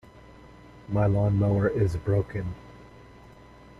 My lawn-mower is broken.